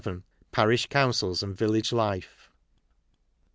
Parish Councils and Village Life.